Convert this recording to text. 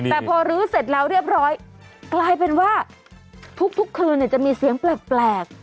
แต่พอรื้อเสร็จแล้วเรียบร้อยกลายเป็นว่าทุกคืนจะมีเสียงแปลก